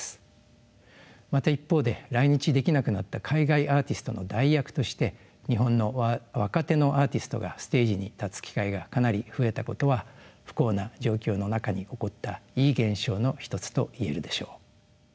また一方で来日できなくなった海外アーティストの代役として日本の若手のアーティストがステージに立つ機会がかなり増えたことは不幸な状況の中に起こったいい現象の一つと言えるでしょう。